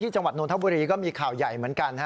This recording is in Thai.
จังหวัดนทบุรีก็มีข่าวใหญ่เหมือนกัน